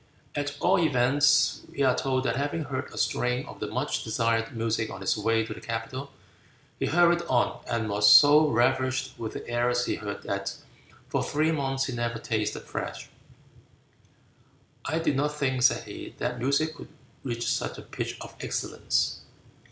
At all events, we are told that having heard a strain of the much desired music on his way to the capital, he hurried on, and was so ravished with the airs he heard that for three months he never tasted flesh. "I did not think," said he, "that music could reach such a pitch of excellence."